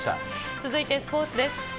続いてスポーツです。